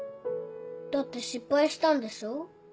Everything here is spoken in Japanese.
だって失敗したんでしょ？